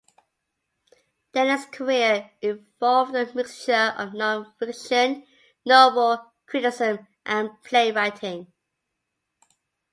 Dennis's career involved a mixture of non-fiction, novel, criticism, and play-writing.